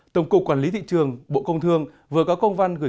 tổng cục quản lý thị trường bộ công thương vừa có công văn gửi